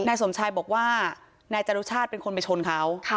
นายสมชายบอกว่านายจรุชาติเป็นคนไปชนเขา